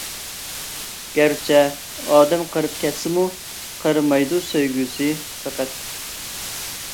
گەرچە ئادەم قېرىپ كەتسىمۇ، قېرىمايدۇ سۆيگۈسى پەقەت.